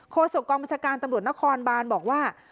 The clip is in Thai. โศกองบัญชาการตำรวจนครบานบอกว่า